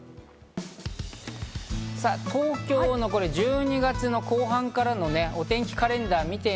東京の１２月の後半からのお天気カレンダーです。